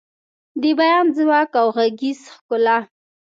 د بیان ځواک او غږیز ښکلا